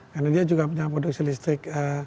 karena dia juga punya produksi listrik